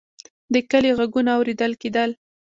د کلي غږونه اورېدل کېدل.